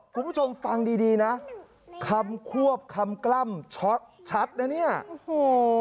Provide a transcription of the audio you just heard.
คุณผู้ชมฟังดีดีนะคำควบคำกล้ำช็อตชัดนะเนี่ยโอ้โห